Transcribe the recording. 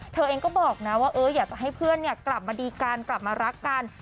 เธอเองก็บอกนะว่าอยากจะให้เพื่อนกลับมาดีกันกลับมารักกัน